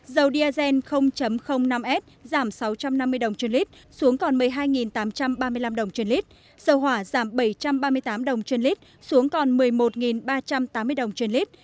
dầu diazen năm s giảm sáu trăm năm mươi đồng trên lít xuống còn một mươi hai tám trăm ba mươi năm đồng trên lít dầu hỏa giảm bảy trăm ba mươi tám đồng trên lít xuống còn một mươi một ba trăm tám mươi đồng trên lít